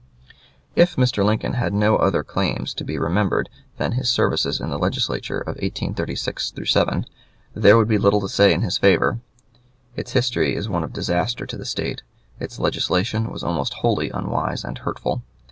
If Mr. Lincoln had no other claims to be remembered than his services in the Legislature of 1836 7, there would be little to say in his favor. Its history is one of disaster to the State. Its legislation was almost wholly unwise and hurtful.